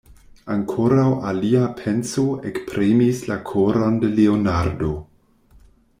Ankoraŭ alia penso ekpremis la koron de Leonardo.